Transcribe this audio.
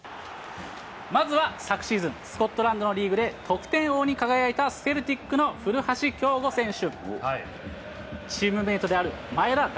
まずは昨シーズン、スコットランドのリーグで得点王に輝いたセルティックの古橋亨梧選手。